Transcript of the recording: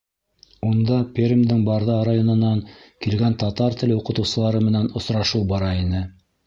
Унда Пермдең Барҙа районынан килгән татар теле уҡытыусылары менән осрашыу бара ине.